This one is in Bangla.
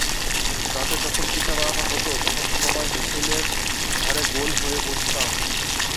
রাতে যখন পিঠা বানানো হতো, তখন সবাই হেঁশেলের ধারে গোল হয়ে বসতাম।